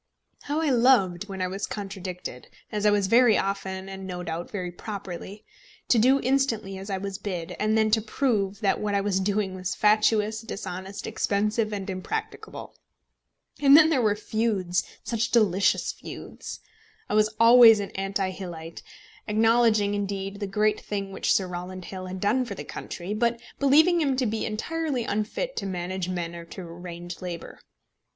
How I loved, when I was contradicted, as I was very often and no doubt very properly, to do instantly as I was bid, and then to prove that what I was doing was fatuous, dishonest, expensive, and impracticable! And then there were feuds, such delicious feuds! I was always an anti Hillite, acknowledging, indeed, the great thing which Sir Rowland Hill had done for the country, but believing him to be entirely unfit to manage men or to arrange labour.